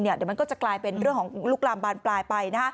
เดี๋ยวมันก็จะกลายเป็นเรื่องของลุกลามบานปลายไป